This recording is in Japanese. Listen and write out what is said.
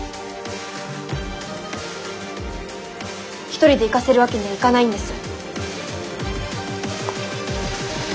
一人で行かせるわけにはいかないんです。